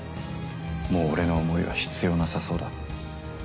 もう俺のお守りは必要なさそうだ。